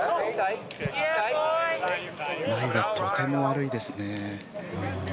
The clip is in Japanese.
ライがとても悪いですね。